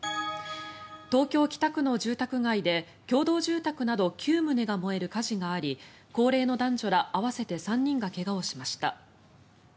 東京・北区の住宅街で共同住宅など９棟が燃える火事があり高齢の男女ら合わせて３人が怪我をしました。